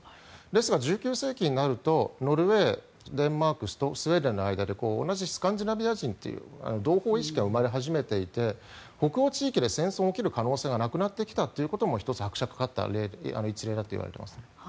ですが１９世紀になるとノルウェー、デンマークスウェーデンの間で同じスカンジナビア人という同胞意識が生まれ始めていて北欧地域で戦争が起きる可能性がなくなってきたということも１つ、拍車がかかった一例だと言われていますね。